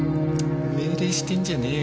命令してんじゃねえよ！